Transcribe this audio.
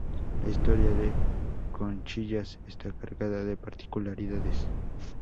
La historia de Conchillas está cargada de particularidades.